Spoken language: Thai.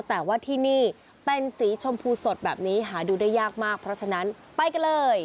แต่ว่าที่นี่เป็นสีชมพูสดแบบนี้หาดูได้ยากมากเพราะฉะนั้นไปกันเลย